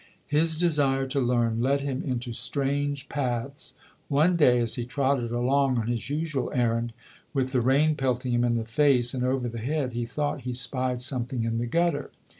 His desire to learn led him into strange paths. One day as he trotted along on his usual errand, with the rain pelting him in the face and over the head, he thought he spied something in the gutter.